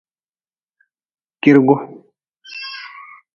Kirgu.